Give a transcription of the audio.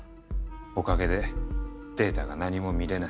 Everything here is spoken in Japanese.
おかげでデータが何も見れない。